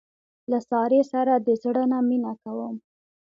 له سارې سره د زړه نه مینه کوم.